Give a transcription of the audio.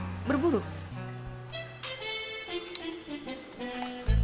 sebesar untuk tunail asos duit